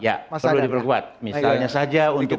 ya perlu diperkuat misalnya saja untuk